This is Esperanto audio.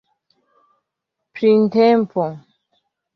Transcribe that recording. printempo